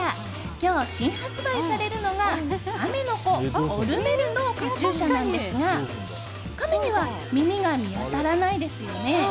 今日、新発売されるのがカメの子、オル・メルのカチューシャなんですがカメには耳が見当たらないですよね？